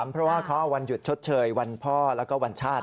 เพราะว่าเขาเอาวันหยุดชดเชยวันพ่อแล้วก็วันชาติ